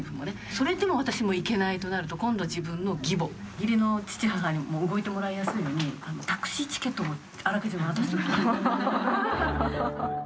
それでも私も行けないとなると今度自分の義母義理の父母にも動いてもらいやすいようにタクシーチケットをあらかじめ渡しておくと。